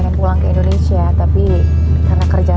dia orang yang detail banget